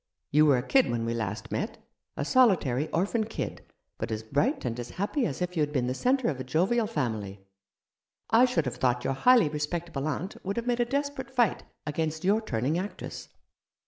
You were a kid when we last met ; a solitary orphan kid, but as bright and as happy as if you had been the centre of a jovial family. I should have thought your highly respectable aunt would have made a desperate fight against your turning actress."